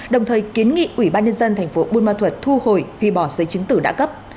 đồng thời kiến nghị ủy ban nhân dân tp bunma thuật thu hồi huy bỏ giấy chứng tử đã cấp